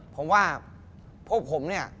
ผมว่าพวกผมเนี่ย